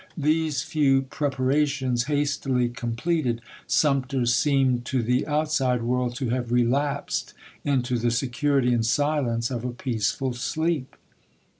These few prepara tions hastily completed, Sumter seemed to the out side world to have relapsed into the security and silence of a peaceful sleep.